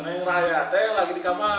neng raya lagi di kamar lagi beres beres baju